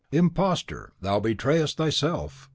"Imposter, thou betrayest thyself!